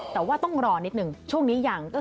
แต่ว่าก็ต้องรอนิดนึง